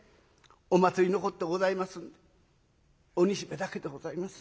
お祭りのこってございますんでお煮しめだけでございます。